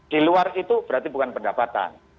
di luar itu berarti bukan pendapatan